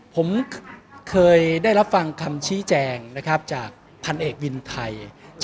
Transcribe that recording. ผมเคยได้รับฟังคำชี้แจงนะครับจากพันเอกวินไทย